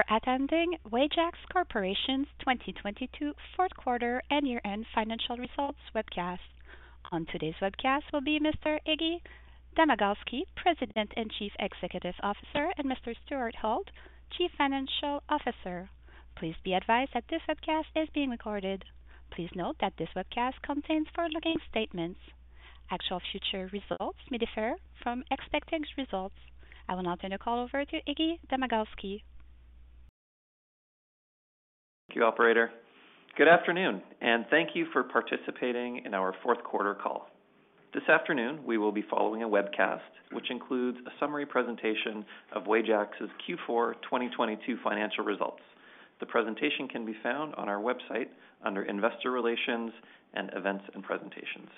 Thank you for attending Wajax Corporation's 2022 Fourth Quarter and Year-End Financial Results Webcast. On today's webcast will be Mr. Iggy Domagalski, President and Chief Executive Officer, and Mr. Stuart Auld, Chief Financial Officer. Please be advised that this webcast is being recorded. Please note that this webcast contains forward-looking statements. Actual future results may differ from expected results. I will now turn the call over to Iggy Domagalski. Thank you, operator. Good afternoon, thank you for participating in our fourth quarter call. This afternoon, we will be following a webcast which includes a summary presentation of Wajax's Q4 2022 financial results. The presentation can be found on our website under Investor Relations and Events and Presentations.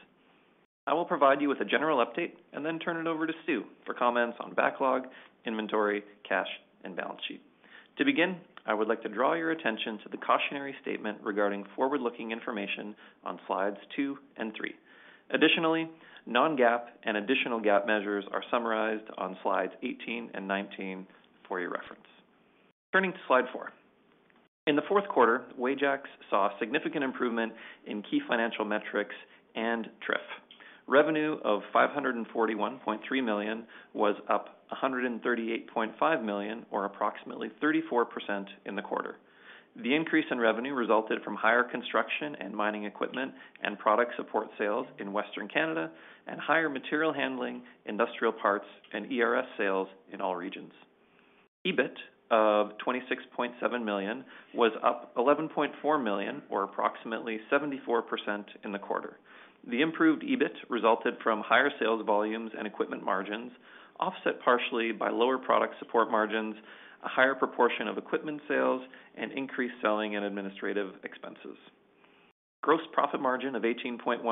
I will provide you with a general update and then turn it over to Stu for comments on backlog, inventory, cash, and balance sheet. To begin, I would like to draw your attention to the cautionary statement regarding forward-looking information on slides two and three. Additionally, non-GAAP and additional GAAP measures are summarized on slides 18 and 19 for your reference. Turning to slide four. In the fourth quarter, Wajax saw significant improvement in key financial metrics and TRIF. Revenue of 541.3 million was up 138.5 million, or approximately 34% in the quarter. The increase in revenue resulted from higher construction and mining equipment and product support sales in Western Canada and higher material handling, industrial parts, and ERS sales in all regions. EBIT of 26.7 million was up 11.4 million, or approximately 74% in the quarter. The improved EBIT resulted from higher sales volumes and equipment margins, offset partially by lower product support margins, a higher proportion of equipment sales, and increased selling and administrative expenses. Gross profit margin of 18.1%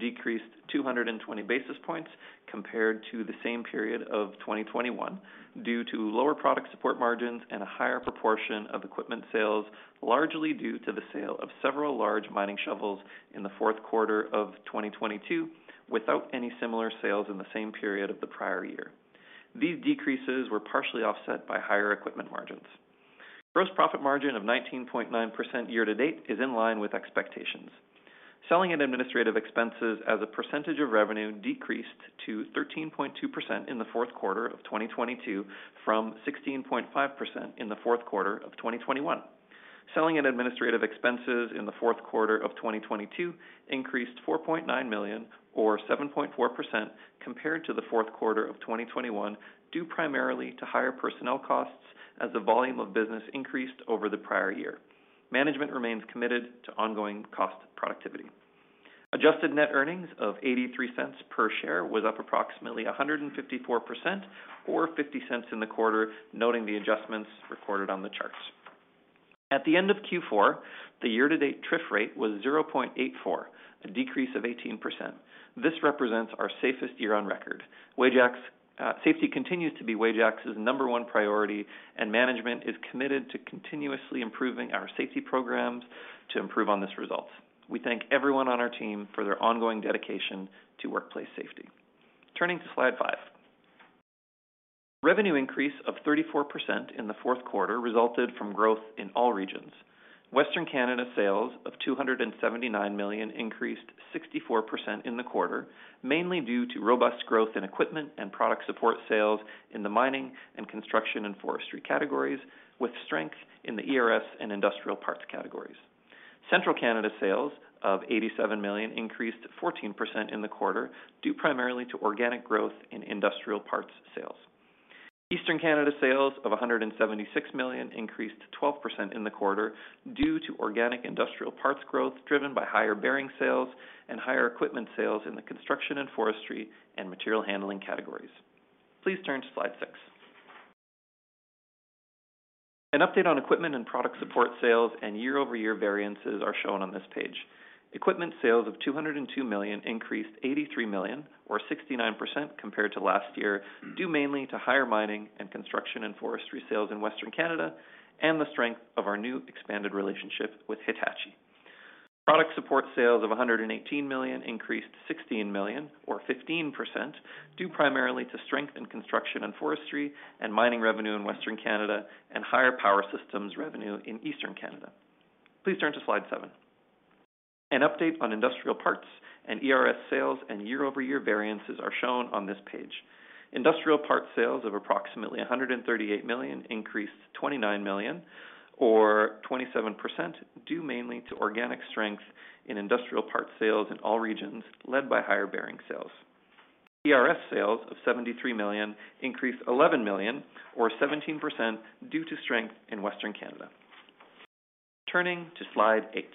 decreased 220 basis points compared to the same period of 2021 due to lower product support margins and a higher proportion of equipment sales, largely due to the sale of several large mining shovels in the fourth quarter of 2022 without any similar sales in the same period of the prior year. These decreases were partially offset by higher equipment margins. Gross profit margin of 19.9% year to date is in line with expectations. Selling and administrative expenses as a percentage of revenue decreased to 13.2% in the fourth quarter of 2022 from 16.5% in the fourth quarter of 2021. Selling and administrative expenses in the fourth quarter of 2022 increased 4.9 million, or 7.4% compared to the fourth quarter of 2021, due primarily to higher personnel costs as the volume of business increased over the prior year. Management remains committed to ongoing cost productivity. Adjusted net earnings of 0.83 per share was up approximately 154%, or 0.50 in the quarter, noting the adjustments recorded on the charts. At the end of Q4, the year-to-date TRIF rate was 0.84, a decrease of 18%. This represents our safest year on record. Wajax safety continues to be Wajax's number one priority, and management is committed to continuously improving our safety programs to improve on this result. We thank everyone on our team for their ongoing dedication to workplace safety. Turning to slide five. Revenue increase of 34% in the fourth quarter resulted from growth in all regions. Western Canada sales of 279 million increased 64% in the quarter, mainly due to robust growth in equipment and product support sales in the mining and construction and forestry categories, with strength in the ERS and industrial parts categories. Central Canada sales of 87 million increased 14% in the quarter, due primarily to organic growth in industrial parts sales. Eastern Canada sales of 176 million increased 12% in the quarter due to organic industrial parts growth, driven by higher bearing sales and higher equipment sales in the construction and forestry and material handling categories. Please turn to slide six. An update on equipment and product support sales and year-over-year variances are shown on this page. Equipment sales of 202 million increased 83 million, or 69% compared to last year, due mainly to higher mining and construction and forestry sales in Western Canada and the strength of our new expanded relationship with Hitachi. Product support sales of 118 million increased 16 million, or 15% due primarily to strength in construction and forestry and mining revenue in Western Canada and higher power systems revenue in Eastern Canada. Please turn to slide seven. An update on industrial parts and ERS sales and year-over-year variances are shown on this page. Industrial parts sales of approximately 138 million increased 29 million, or 27%, due mainly to organic strength in industrial parts sales in all regions, led by higher bearing sales. ERS sales of 73 million increased 11 million, or 17% due to strength in Western Canada. Turning to slide eight.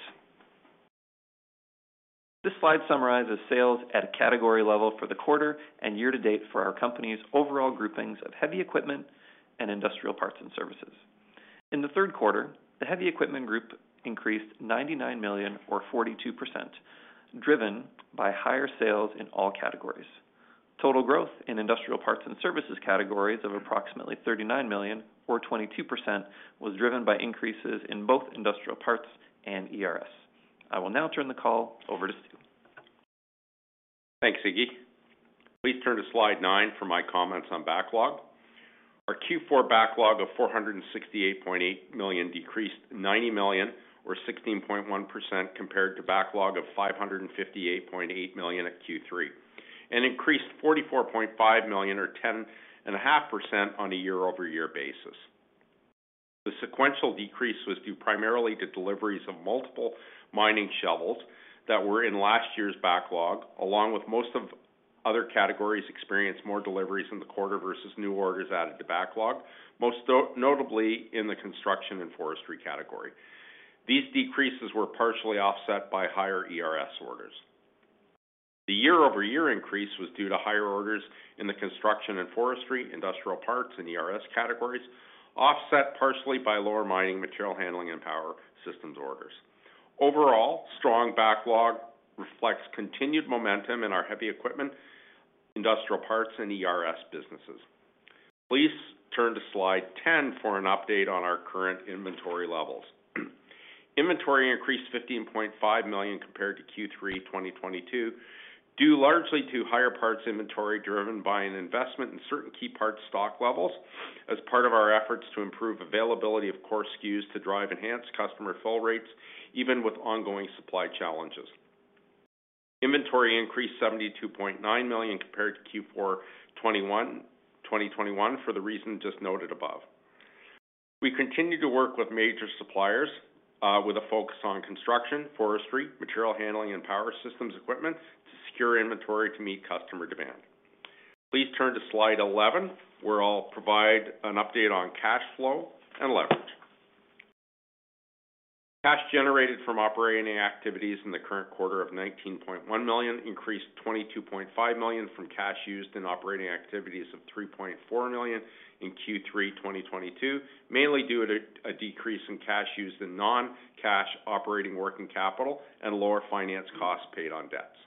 This slide summarizes sales at a category level for the quarter and year to date for our company's overall groupings of heavy equipment and industrial parts and services. In the third quarter, the heavy equipment group increased 99 million or 42%, driven by higher sales in all categories. Total growth in industrial parts and services categories of approximately 39 million, or 22% was driven by increases in both industrial parts and ERS. I will now turn the call over to Stu. Thanks, Iggy. Please turn to slide nine for my comments on backlog. Our Q4 backlog of 468.8 million decreased 90 million or 16.1% compared to backlog of 558.8 million at Q3, and increased 44.5 million or 10.5% on a year-over-year basis. The sequential decrease was due primarily to deliveries of multiple mining shovels that were in last year's backlog, along with most of other categories experienced more deliveries in the quarter versus new orders added to backlog, most notably in the construction and forestry category. These decreases were partially offset by higher ERS orders. The year-over-year increase was due to higher orders in the construction and forestry, industrial parts, and ERS categories, offset partially by lower mining, material handling, and power systems orders. Overall, strong backlog reflects continued momentum in our heavy equipment, industrial parts, and ERS businesses. Please turn to slide 10 for an update on our current inventory levels. Inventory increased 15.5 million compared to Q3 2022, due largely to higher parts inventory driven by an investment in certain key parts stock levels as part of our efforts to improve availability of core SKUs to drive enhanced customer fill rates, even with ongoing supply challenges. Inventory increased 72.9 million compared to Q4 2021 for the reason just noted above. We continue to work with major suppliers, with a focus on construction, forestry, material handling, and power systems equipment to secure inventory to meet customer demand. Please turn to slide 11, where I'll provide an update on cash flow and leverage. Cash generated from operating activities in the current quarter of 19.1 million increased 22.5 million from cash used in operating activities of 3.4 million in Q3 2022, mainly due to a decrease in cash used in non-cash operating working capital and lower finance costs paid on debts.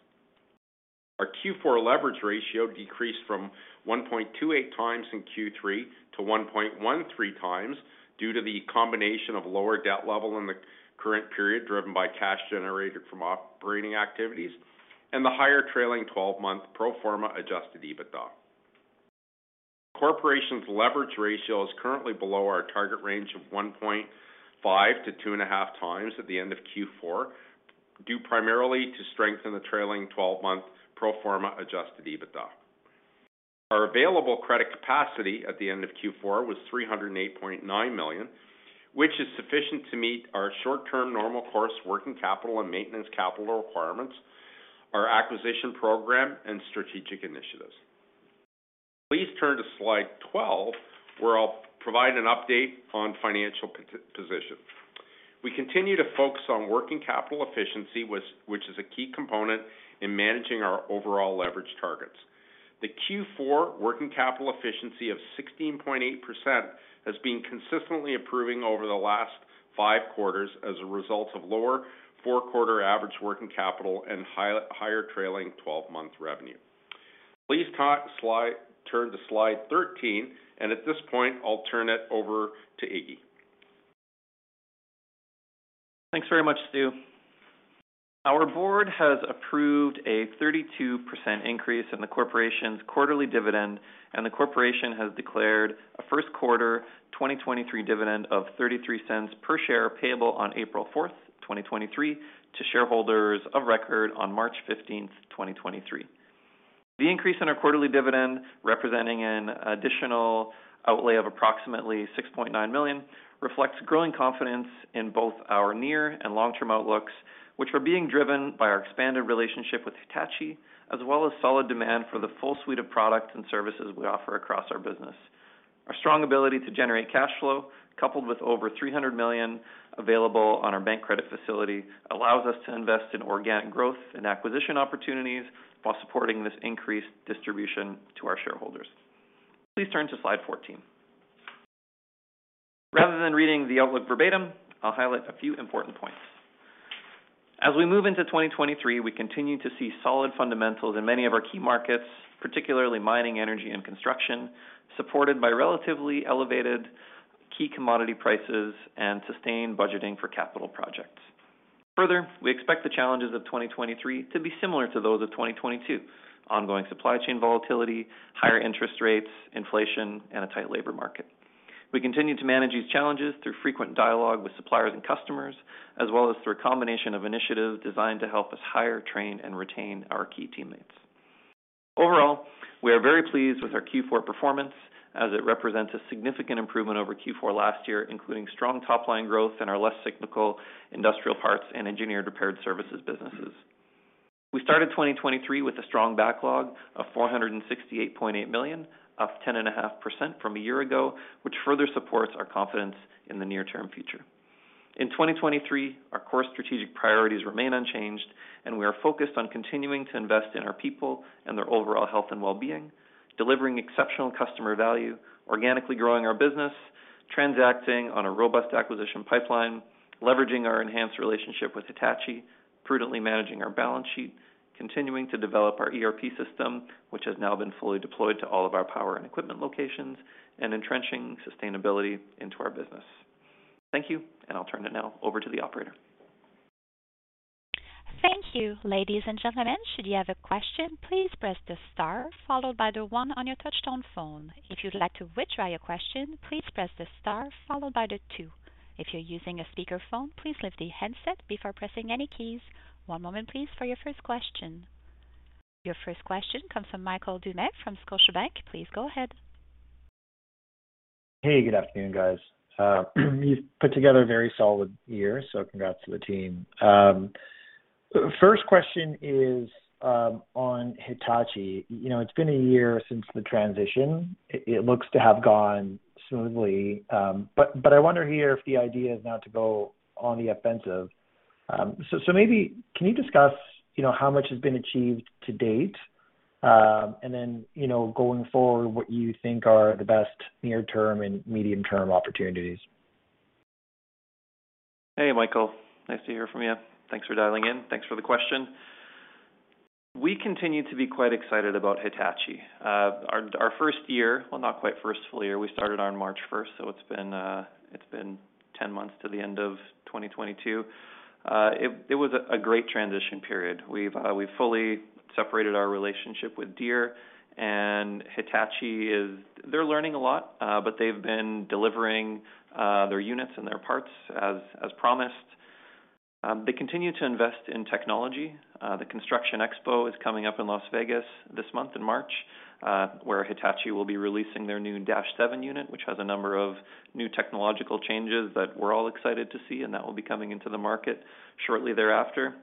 Our Q4 leverage ratio decreased from 1.28x in Q3 to 1.13x due to the combination of lower debt level in the current period, driven by cash generated from operating activities and the higher trailing-12-month pro forma adjusted EBITDA. Corporation's leverage ratio is currently below our target range of 1.5-2.5x at the end of Q4, due primarily to strength in the trailing-12-month pro forma adjusted EBITDA. Our available credit capacity at the end of Q4 was 308.9 million, which is sufficient to meet our short-term normal course working capital and maintenance capital requirements, our acquisition program, and strategic initiatives. Please turn to slide 12, where I'll provide an update on financial position. We continue to focus on working capital efficiency, which is a key component in managing our overall leverage targets. The Q4 working capital efficiency of 16.8% has been consistently improving over the last five quarters as a result of lower four-quarter average working capital and higher trailing-12-month revenue. Please turn to slide 13, at this point, I'll turn it over to Iggy. Thanks very much, Stu. Our board has approved a 32% increase in the corporation's quarterly dividend. The corporation has declared a first quarter 2023 dividend of 0.33 per share payable on April 4th, 2023 to shareholders of record on March 15th, 2023. The increase in our quarterly dividend, representing an additional outlay of approximately 6.9 million, reflects growing confidence in both our near and long-term outlooks, which are being driven by our expanded relationship with Hitachi, as well as solid demand for the full suite of products and services we offer across our business. Our strong ability to generate cash flow, coupled with over 300 million available on our bank credit facility, allows us to invest in organic growth and acquisition opportunities while supporting this increased distribution to our shareholders. Please turn to slide 14. Rather than reading the outlook verbatim, I'll highlight a few important points. As we move into 2023, we continue to see solid fundamentals in many of our key markets, particularly mining, energy, and construction, supported by relatively elevated key commodity prices and sustained budgeting for capital projects. We expect the challenges of 2023 to be similar to those of 2022: ongoing supply chain volatility, higher interest rates, inflation, and a tight labor market. We continue to manage these challenges through frequent dialogue with suppliers and customers, as well as through a combination of initiatives designed to help us hire, train, and retain our key teammates. Overall, we are very pleased with our Q4 performance as it represents a significant improvement over Q4 last year, including strong top-line growth in our less cyclical industrial parts and engineered repaired services businesses. We started 2023 with a strong backlog of 468.8 million, up 10.5% from a year ago, which further supports our confidence in the near-term future. In 2023, our core strategic priorities remain unchanged. We are focused on continuing to invest in our people and their overall health and well-being, delivering exceptional customer value, organically growing our business, transacting on a robust acquisition pipeline, leveraging our enhanced relationship with Hitachi, prudently managing our balance sheet, continuing to develop our ERP system, which has now been fully deployed to all of our power and equipment locations, and entrenching sustainability into our business. Thank you. I'll turn it now over to the operator. Thank you. Ladies and gentlemen, should you have a question, please press the star followed by the one on your touchtone phone. If you'd like to withdraw your question, please press the star followed by the two. If you're using a speakerphone, please lift the handset before pressing any keys. One moment please for your first question. Your first question comes from Jonathan Goldman from Scotiabank. Please go ahead. Hey, good afternoon, guys. You've put together a very solid year, so congrats to the team. First question is on Hitachi. You know, it's been a year since the transition. It looks to have gone smoothly, but I wonder here if the idea is now to go on the offensive. Maybe can you discuss, you know, how much has been achieved to date, and then, you know, going forward, what you think are the best near term and medium term opportunities? Hey, Michael, nice to hear from you. Thanks for dialing in. Thanks for the question. We continue to be quite excited about Hitachi. Well, not quite first full year. We started on March 1st, so it's been 10 months to the end of 2022. It was a great transition period. We've fully separated our relationship with Deere and Hitachi, they're learning a lot, but they've been delivering their units and their parts as promised. They continue to invest in technology. The Construction Expo is coming up in Las Vegas this month in March, where Hitachi will be releasing their new Dash-7 unit, which has a number of new technological changes that we're all excited to see, and that will be coming into the market shortly thereafter.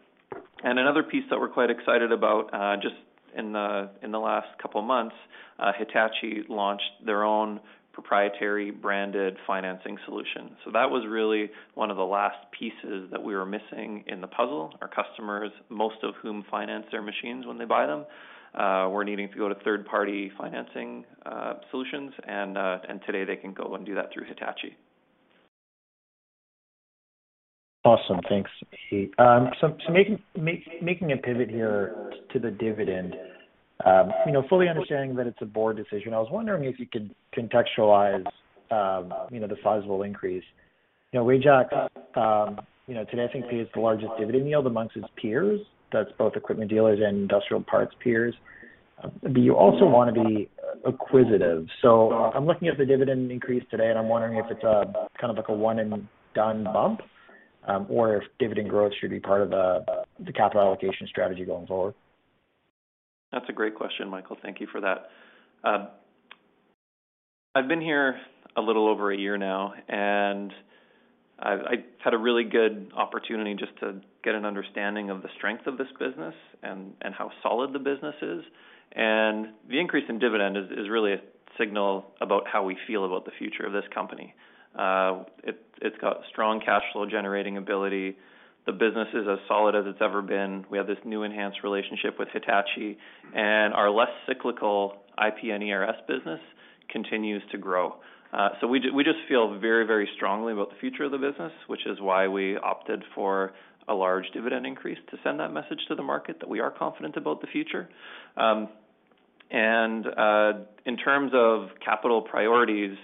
Another piece that we're quite excited about, just in the last couple of months, Hitachi launched their own proprietary branded financing solution. That was really one of the last pieces that we were missing in the puzzle. Our customers, most of whom finance their machines when they buy them, were needing to go to third party financing solutions. Today they can go and do that through Hitachi. Awesome. Thanks, Iggy. Making a pivot here to the dividend, you know, fully understanding that it's a board decision, I was wondering if you could contextualize, you know, the sizable increase. You know, Wajax, you know, today I think pays the largest dividend yield amongst its peers. That's both equipment dealers and industrial parts peers. You also wanna be acquisitive. I'm looking at the dividend increase today, and I'm wondering if it's a kind of like a one and done bump, or if dividend growth should be part of the capital allocation strategy going forward. That's a great question, Michael. Thank you for that. I've been here a little over a year now, and I had a really good opportunity just to get an understanding of the strength of this business and how solid the business is. The increase in dividend is really a signal about how we feel about the future of this company. It's got strong cash flow generating ability. The business is as solid as it's ever been. We have this new enhanced relationship with Hitachi, and our less cyclical IP and ERS business continues to grow. We just feel very strongly about the future of the business, which is why we opted for a large dividend increase to send that message to the market that we are confident about the future. In terms of capital priorities,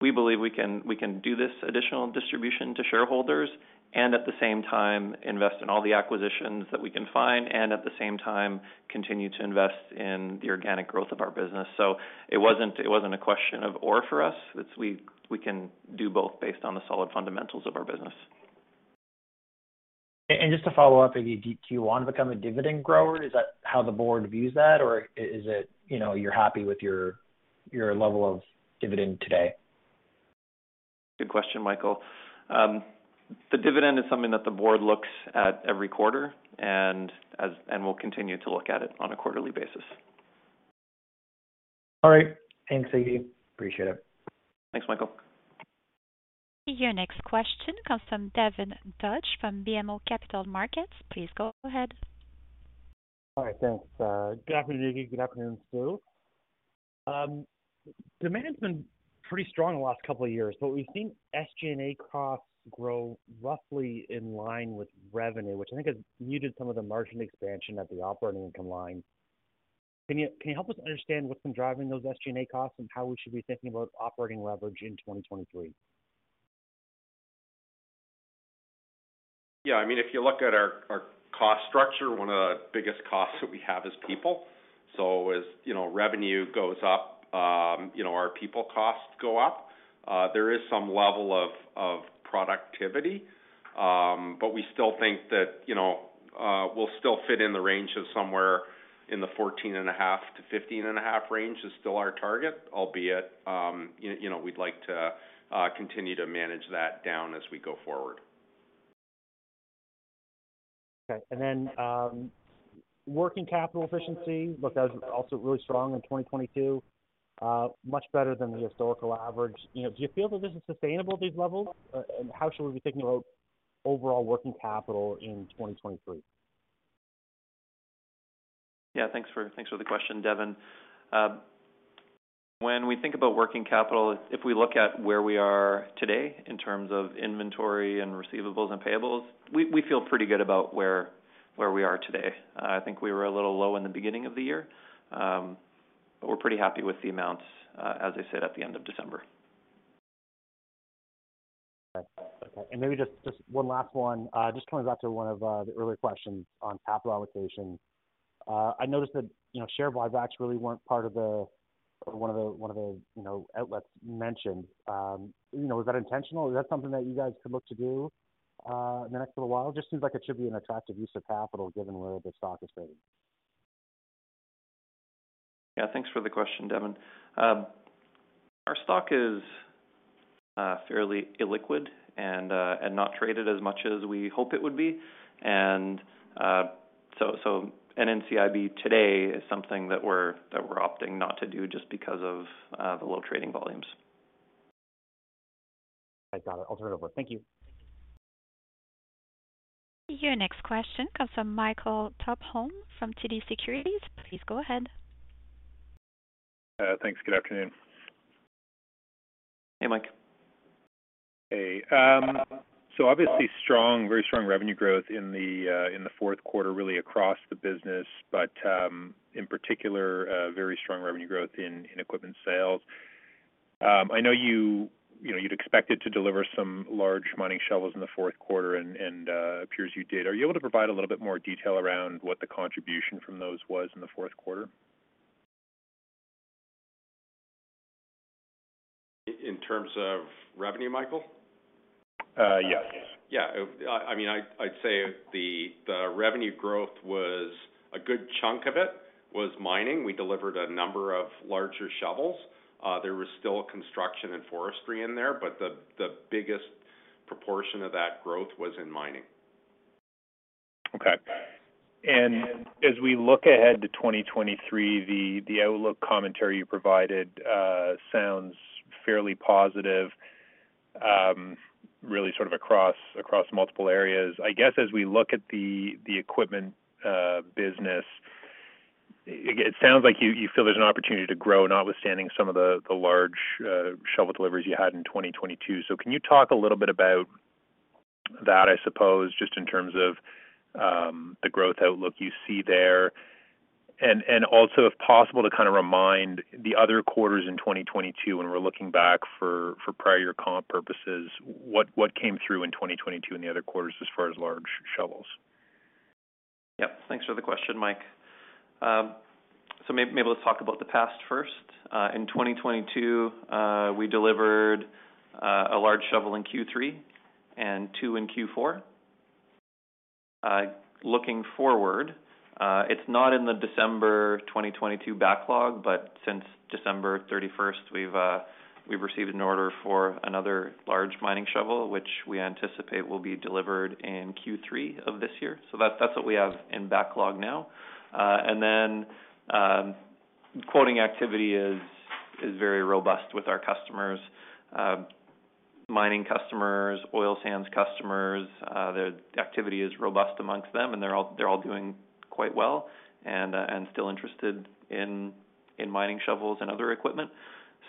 we believe we can do this additional distribution to shareholders and at the same time invest in all the acquisitions that we can find and at the same time continue to invest in the organic growth of our business. It wasn't a question of or for us. It's we can do both based on the solid fundamentals of our business. Just to follow up, do you want to become a dividend grower? Is that how the board views that? Or is it, you know, you're happy with your level of dividend today? Good question, Michael. The dividend is something that the board looks at every quarter and will continue to look at it on a quarterly basis. All right. Thanks, Iggy. Appreciate it. Thanks, Michael. Your next question comes from Devin Dodge from BMO Capital Markets. Please go ahead. All right, thanks. Good afternoon, Iggy. Good afternoon, Stu. Demand's been pretty strong the last couple of years, we've seen SG&A costs grow roughly in line with revenue, which I think has muted some of the margin expansion at the operating income line. Can you help us understand what's been driving those SG&A costs and how we should be thinking about operating leverage in 2023? Yeah. I mean, if you look at our cost structure, one of the biggest costs that we have is people. As, you know, revenue goes up, you know, our people costs go up. There is some level of productivity, but we still think that, you know, we'll still fit in the range of somewhere in the 14.5%-15.5% range is still our target, albeit, you know, we'd like to continue to manage that down as we go forward. Okay. Then, working capital efficiency looked as also really strong in 2022, much better than the historical average. You know, do you feel that this is sustainable at these levels? How should we be thinking about overall working capital in 2023? Yeah. Thanks for, thanks for the question, Devin. When we think about working capital, if we look at where we are today in terms of inventory and receivables and payables, we feel pretty good about where we are today. I think we were a little low in the beginning of the year, but we're pretty happy with the amounts, as I said, at the end of December. Okay. Maybe just one last one. Just coming back to one of the earlier questions on capital allocation. I noticed that, you know, share buybacks really weren't or one of the, you know, outlets you mentioned. You know, was that intentional? Is that something that you guys could look to do in the next little while? Seems like it should be an attractive use of capital given where the stock is trading. Yeah. Thanks for the question, Devin. Our stock is fairly illiquid and not traded as much as we hope it would be. So NCIB today is something that we're opting not to do just because of the low trading volumes. I got it. I'll turn it over. Thank you. Your next question comes from Michael Tupholme from TD Securities. Please go ahead. Thanks. Good afternoon. Hey, Mike. Hey. Obviously strong, very strong revenue growth in the fourth quarter, really across the business. In particular, very strong revenue growth in equipment sales. I know you know, you'd expected to deliver some large mining shovels in the fourth quarter, and appears you did. Are you able to provide a little bit more detail around what the contribution from those was in the fourth quarter? In terms of revenue, Michael? Yes. Yeah. I mean, I'd say the revenue growth was a good chunk of it was mining. We delivered a number of larger shovels. There was still construction and forestry in there, the biggest proportion of that growth was in mining. Okay. As we look ahead to 2023, the outlook commentary you provided, sounds fairly positive, really sort of across multiple areas. I guess as we look at the equipment business, it sounds like you feel there's an opportunity to grow, notwithstanding some of the large shovel deliveries you had in 2022. Can you talk a little bit about that, I suppose, just in terms of the growth outlook you see there? And also, if possible, to kind of remind the other quarters in 2022 when we're looking back for prior year comp purposes, what came through in 2022 in the other quarters as far as large shovels? Yep. Thanks for the question, Mike. Let's talk about the past first. In 2022, we delivered a large shovel in Q3 and two in Q4. Looking forward, it's not in the December 2022 backlog, but since December 31st, we've received an order for another large mining shovel, which we anticipate will be delivered in Q3 of this year. That's what we have in backlog now. Quoting activity is very robust with our customers, mining customers, oil sands customers. The activity is robust amongst them, and they're all doing quite well and still interested in mining shovels and other equipment.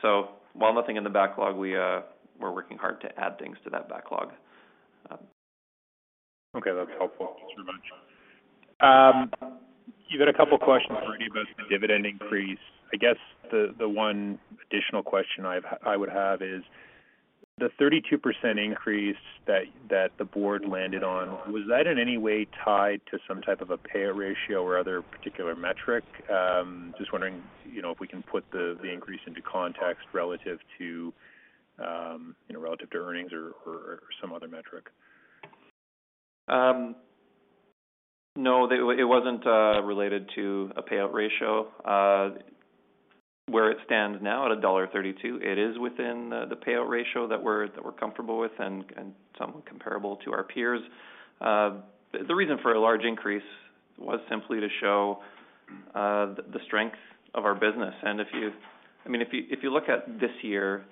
While nothing in the backlog, we're working hard to add things to that backlog. Okay. That's helpful. Thanks very much. You got a couple questions already about the dividend increase. I guess the one additional question I would have is the 32% increase that the board landed on, was that in any way tied to some type of a payout ratio or other particular metric? Just wondering, you know, if we can put the increase into context relative to, you know, relative to earnings or, or some other metric? No. It wasn't related to a payout ratio. Where it stands now at dollar 1.32, it is within the payout ratio that we're comfortable with and somewhat comparable to our peers. The reason for a large increase was simply to show the strength of our business. If you, I mean, if you look at this year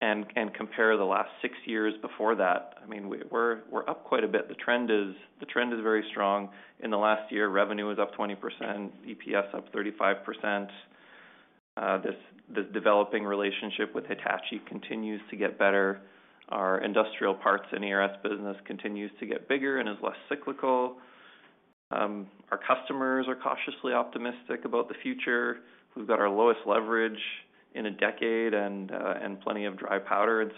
and compare the last six years before that, I mean, we're up quite a bit. The trend is very strong. In the last year, revenue is up 20%, EPS up 35%. This developing relationship with Hitachi continues to get better. Our industrial parts and ERS business continues to get bigger and is less cyclical. Our customers are cautiously optimistic about the future. We've got our lowest leverage in a decade and plenty of dry powder.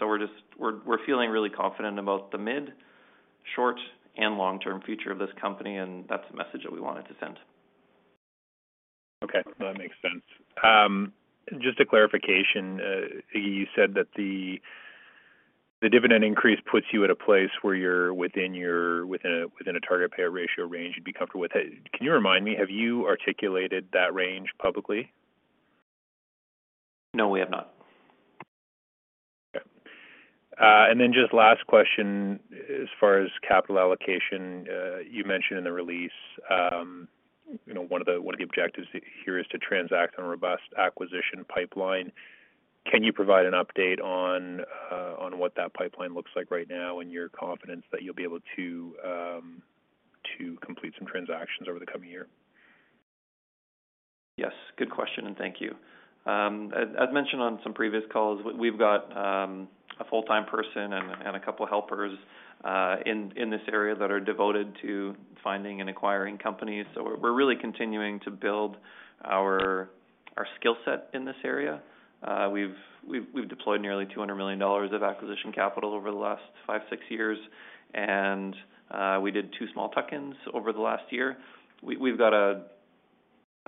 We're feeling really confident about the mid, short, and long-term future of this company. That's the message that we wanted to send. Okay. No, that makes sense. Just a clarification. You said that the dividend increase puts you at a place where you're within a target payout ratio range you'd be comfortable with. Hey, can you remind me, have you articulated that range publicly? No, we have not. Okay. Just last question. As far as capital allocation, you mentioned in the release, you know, one of the, one of the objectives here is to transact on a robust acquisition pipeline. Can you provide an update on what that pipeline looks like right now and your confidence that you'll be able to complete some transactions over the coming year? Yes, good question. Thank you. As mentioned on some previous calls, we've got a full-time person and a couple helpers in this area that are devoted to finding and acquiring companies. We're really continuing to build our skill set in this area. We've deployed nearly 200 million dollars of acquisition capital over the last five, six years. We did two small tuck-ins over the last year. We've got a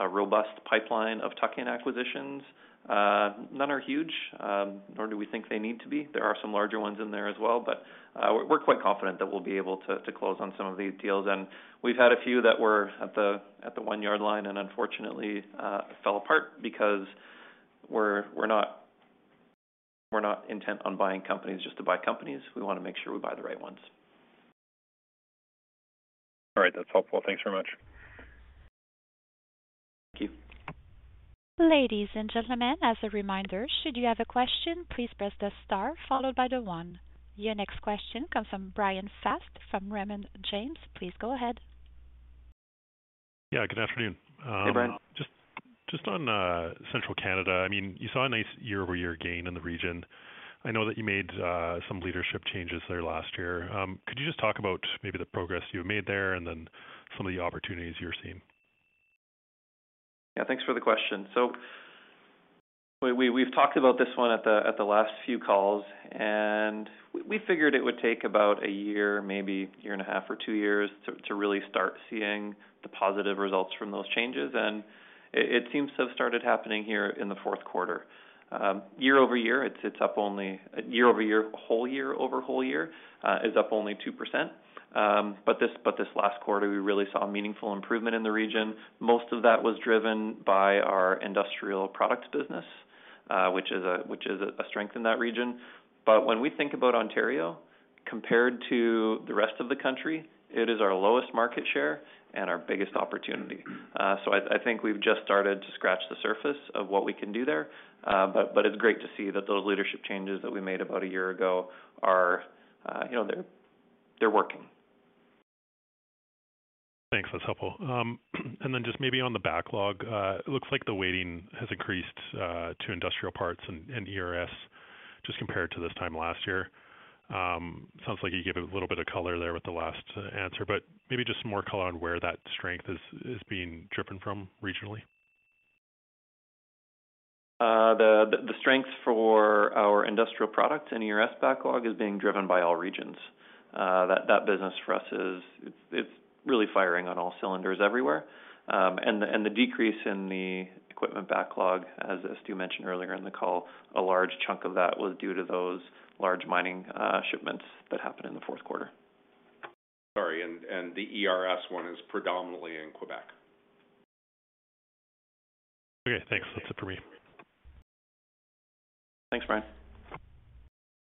robust pipeline of tuck-in acquisitions. None are huge, nor do we think they need to be. There are some larger ones in there as well. We're quite confident that we'll be able to close on some of these deals. We've had a few that were at the one-yard line and unfortunately, fell apart because we're not intent on buying companies just to buy companies. We wanna make sure we buy the right ones. All right. That's helpful. Thanks very much. Thank you. Ladies and gentlemen, as a reminder, should you have a question, please press the star followed by the one. Your next question comes from Bryan Fast from Raymond James. Please go ahead. Yeah, good afternoon. Hey, Bryan. Just on Central Canada, I mean, you saw a nice year-over-year gain in the region. I know that you made some leadership changes there last year. Could you just talk about maybe the progress you've made there and then some of the opportunities you're seeing? Yeah, thanks for the question. We've talked about this one at the last few calls, and we figured it would take about a year, maybe year and a half or two years to really start seeing the positive results from those changes. It seems to have started happening here in the fourth quarter. Year-over-year, whole year over whole year, is up only 2%. This last quarter, we really saw a meaningful improvement in the region. Most of that was driven by our industrial products business, which is a strength in that region. When we think about Ontario compared to the rest of the country, it is our lowest market share and our biggest opportunity. I think we've just started to scratch the surface of what we can do there. It's great to see that those leadership changes that we made about a year ago are, you know, they're working. Thanks. That's helpful. Just maybe on the backlog, it looks like the waiting has increased to industrial parts and ERS just compared to this time last year. Sounds like you gave a little bit of color there with the last answer, but maybe just some more color on where that strength is being driven from regionally. The strength for our industrial products and ERS backlog is being driven by all regions. That business for us is it's really firing on all cylinders everywhere. The decrease in the equipment backlog, as Stu mentioned earlier in the call, a large chunk of that was due to those large mining shipments that happened in the fourth quarter. Sorry, the ERS one is predominantly in Quebec. Okay, thanks. That's it for me. Thanks, Bryan.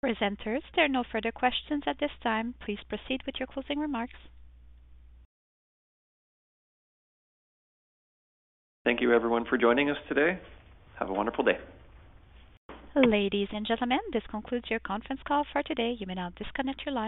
Presenters, there are no further questions at this time. Please proceed with your closing remarks. Thank you everyone for joining us today. Have a wonderful day. Ladies and gentlemen, this concludes your conference call for today. You may now disconnect your lines.